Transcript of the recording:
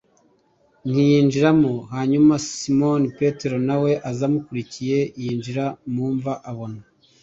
Ntiyinjiramo hanyuma simoni petero na we aza amukurikiye yinjira mu mva abona